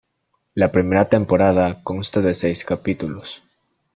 La primera temporada consta de seis capítulos.